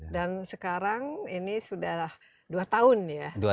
dan sekarang ini sudah dua tahun ya